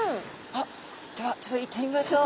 あではちょっと行ってみましょう。